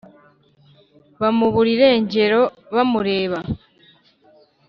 bamubura irengero bamureba.